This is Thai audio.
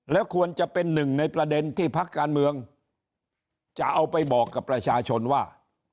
แล้วควรจะเป็นหนึ่งในประเด็นที่พักการเมืองจะเอาไปบอกกับประชาชนว่า